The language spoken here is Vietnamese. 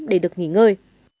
để được nghỉ ngơi